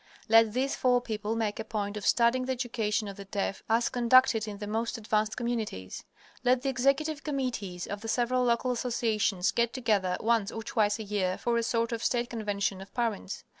Let these four people make a point of studying the education of the deaf as conducted in the most advanced communities. Let the executive committees of the several local associations get together once or twice a year for a sort of state convention of parents.